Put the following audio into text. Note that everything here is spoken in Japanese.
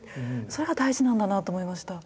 それが大事なんだなと思いました。